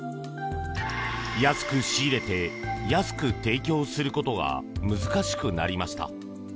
安く仕入れて安く提供することが難しくなりました。